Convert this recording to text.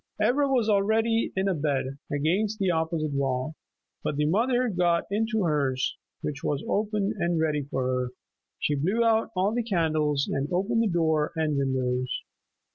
Ivra was already in a bed against the opposite wall. Before the mother got into hers, which was open and ready for her, she blew out all the candles and opened the door and windows.